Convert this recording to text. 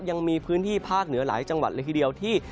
ยังมีพื้นที่ภาคเหนือหลายจังหวัดเลยทีเดียวที่